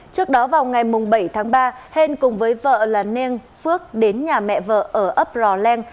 trước đó vào ngày bảy tháng ba hên cùng với vợ lan nen phước đến nhà mẹ vợ ở ấp rò leng